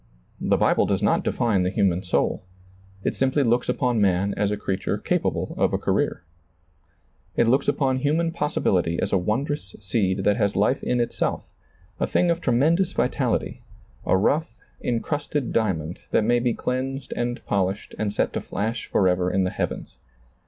The Bible does not define the human soul. It simply looks upon man as a creature capable of a career. ^lailizccbvGoOgle 134 SEEING DARKLY It looks Upon human possibility as a wondrous seed that has life in itself, a thing of tremendous vitality, a rough, incrusted diamond, that may be cleansed and polished and set to flash forever in the heavens.